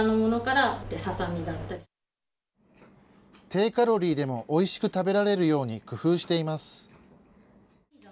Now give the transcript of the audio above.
低カロリーでもおいしく食べられるように工夫しています。